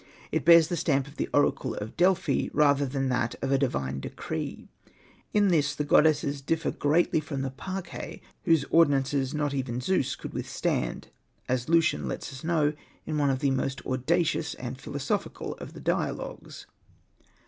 It bears the stamp of the oracle of Delphi, rather than that of a divine decree. In this these goddesses differ greatly from the Parcae, whose ordinances not even Zeus could withstand, as Lucian lets us know in one of the most audacious and philosophical of the dialogues.